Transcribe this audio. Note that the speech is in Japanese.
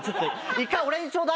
１回俺にちょうだい。